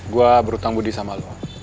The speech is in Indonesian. gue berhutang budi sama lo